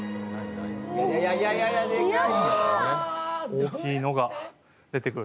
大きいのが出てくると。